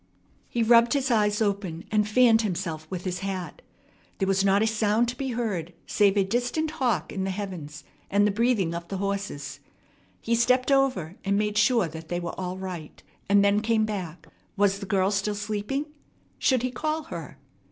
He rubbed his eyes open, and fanned himself with his hat. There was not a sound to be heard save a distant hawk in the heavens, and the breathing of the horses. He stepped over, and made sure that they were all right, and then came back. Was the girl still sleeping? Should he call her?